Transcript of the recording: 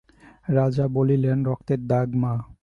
রাজা বলিলেন, রক্তের দাগ মা!